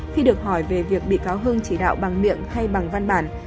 khi được hỏi về việc bị cáo hưng chỉ đạo bằng miệng hay bằng văn bản